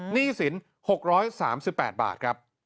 หนี้สิน๖๓๘บาท